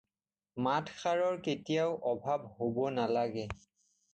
মাতষাৰৰ কেতিয়াও অভাৱ হ'ব নালাগে।